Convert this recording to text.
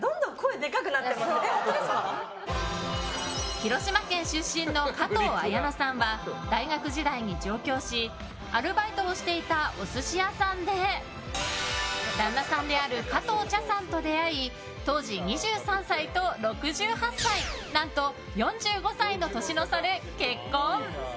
広島県出身の加藤綾菜さんは大学時代に上京しアルバイトをしていたお寿司屋さんで旦那さんである加藤茶さんと出会い当時２３歳と６８歳何と、４５歳の年の差で結婚！